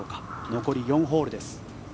残り４ホールです。